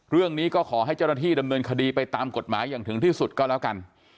เรื่องนี้ก็ขอให้เจ้าหน้าที่ดำเนินคดีไปตามกฎหมายอย่างถึงที่สุดก็แล้วกัน